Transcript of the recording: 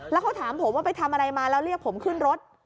แล้วเขาถามผมว่าไปทำอะไรมาแล้วเรียกผมขึ้นรถ